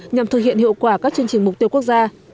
nhằm thực hiện hiệu quả các chương trình mục tiêu quốc gia